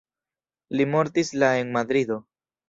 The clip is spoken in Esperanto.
Li mortis la en Madrido.